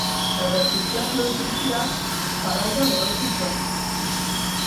Errefuxiatuen krisiak eztabaida berotu zuen.